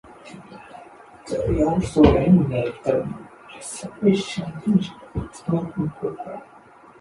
They also eliminate the laceration dangers of an open propeller.